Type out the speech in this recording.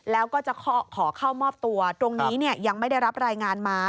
แล้วก็จะขอเข้ามอบตัวตรงนี้ยังไม่ได้รับรายงานมา